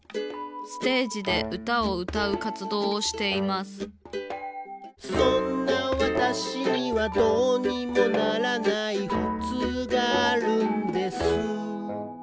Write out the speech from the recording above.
ステージでうたをうたうかつどうをしています「そんな私には、どうにもならない」「ふつうがあるんです」